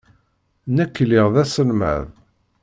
Nekk lliɣ d aselmad.